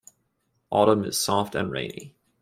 Autumn is soft and rainy.